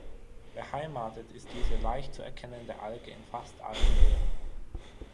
Beheimatet ist diese leicht zu erkennende Alge in fast allen Meeren.